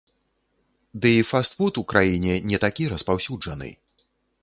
Дый фаст-фуд у краіне не такі распаўсюджаны.